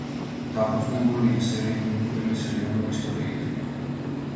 დაფუძნებულია სერიული მკვლელის რეალურ ისტორიაზე.